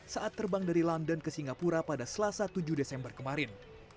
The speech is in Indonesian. saat terbang dari london ke singapura pada selasa tujuh desember kemarin